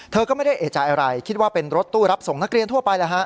เธอก็ไม่ได้เอกใจอะไรคิดว่าเป็นรถตู้รับส่งนักเรียนทั่วไปแล้วฮะ